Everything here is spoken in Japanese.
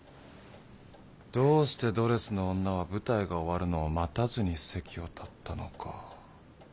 どうしてドレスの女は舞台が終わるのを待たずに席を立ったのか。